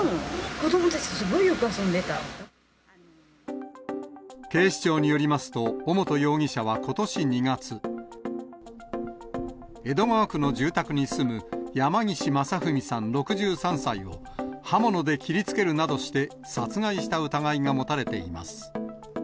子どもたちとすごいよ警視庁によりますと、尾本容疑者はことし２月、江戸川区の住宅に住む山岸正文さん６３歳を刃物で切りつけるなどして、殺害した疑いが持たれています。